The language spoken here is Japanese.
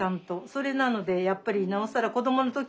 それなのでやっぱりなおさら子どもの時。